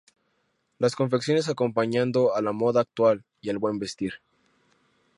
Las confecciones acompañando a la moda actual y al buen vestir.